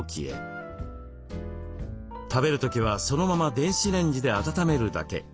食べる時はそのまま電子レンジで温めるだけ。